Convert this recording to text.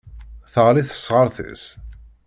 Teɣli tesɣaṛt-is.